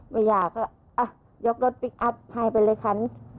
ไม่อยากก็ยกรถพลิกอัพให้ไปเลยคัน